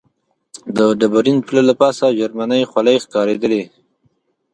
د ډبرین پله له پاسه جرمنۍ خولۍ ښکارېدلې.